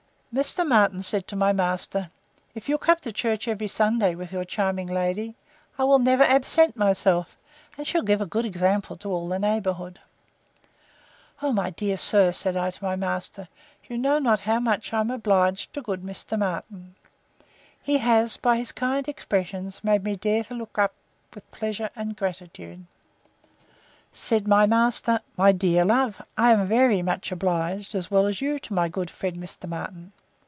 Mr. Martin said to my master, If you'll come to church every Sunday with your charming lady, I will never absent myself, and she'll give a good example to all the neighbourhood. O, my dear sir! said I to my master, you know not how much I am obliged to good Mr. Martin! He has, by his kind expressions, made me dare to look up with pleasure and gratitude. Said my master, My dear love, I am very much obliged, as well as you, to my good friend Mr. Martin.